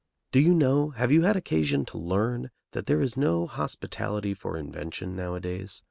Do you know, have you had occasion to learn, that there is no hospitality for invention nowadays?